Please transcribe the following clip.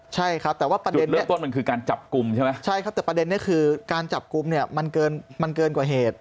จุดเลือกต้นมันคือการจับกลุ่มใช่ไหมใช่ครับแต่ประเด็นนี้คือการจับกลุ่มมันเกินกว่าเหตุ